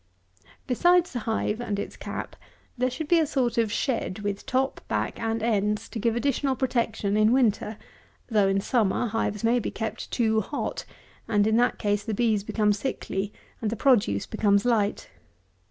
162. Besides the hive and its cap, there should be a sort of shed, with top, back, and ends, to give additional protection in winter; though in summer hives may be kept too hot, and in that case the bees become sickly and the produce becomes light.